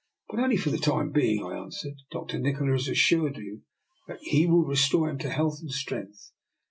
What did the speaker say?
" But only for the time being," I an swered. '* Dr. Nikola has assured you that he will restore him to health and strength.